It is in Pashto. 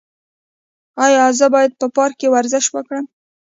ایا زه باید په پارک کې ورزش وکړم؟